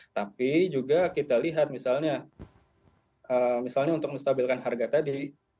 tapi juga kita lihat misalnya untuk menstabilkan harga tadi